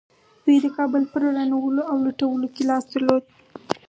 دوی د کابل په ورانولو او لوټولو کې لاس درلود